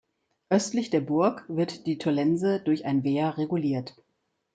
Östlich der Burg wird die Tollense durch ein Wehr reguliert.